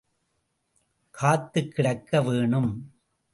காத்துக் கிடக்க வேணும்.